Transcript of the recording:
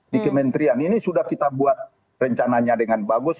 di kementerian ini sudah kita buat rencananya dengan bagus